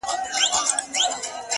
دنیا ډېره بې وفاده عاقلان نه په نازېږي,